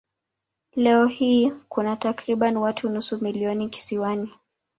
Leo hii kuna takriban watu nusu milioni kisiwani.